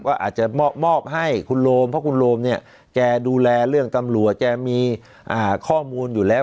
ก็อาจจะมอบให้คุณโรมเพราะคุณโรมเนี่ยแกดูแลเรื่องตำรวจแกมีข้อมูลอยู่แล้ว